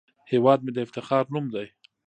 هیواد مې د افتخار نوم دی